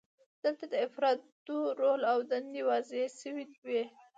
دلته د افرادو رول او دندې واضحې شوې وي.